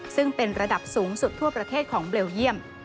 ซึ่งเป็นระดับสูงสุดทั่วประเทศของเบลเยี่ยม